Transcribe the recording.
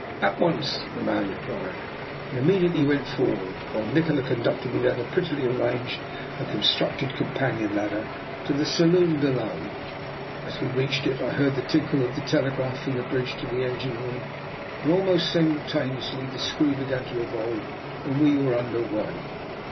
"At once/' the man replied, and imme diately went forward; while Nikola conduct ed me down a prettily arranged and con structed companion ladder to the saloon be low. As we reached it I heard the tinkle of the telegraph from the bridge to the engine room, and almost simultaneously the screw began to revolve and we were under way.